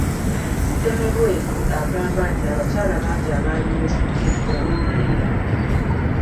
Semmelwesi agamba nti abakyala bangi abaali beesudde eddwaliro eryo.